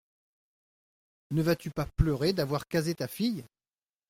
Ne vas-tu pas pleurer d’avoir casé ta fille ?